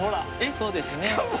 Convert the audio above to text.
そうですね。